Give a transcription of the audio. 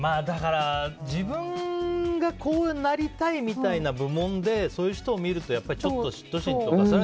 だから自分がこうなりたいみたいな部門でそういう人を見るとちょっと嫉妬心とか。